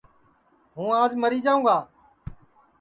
ہوں آج مری جاوں گا